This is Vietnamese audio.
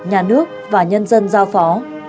nhà nước và nhân dân giao phó